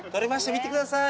見てください！」